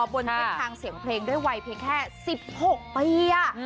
บนเส้นทางเสียงเพลงด้วยวัยเพียงแค่๑๖ปี